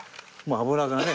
脂がね。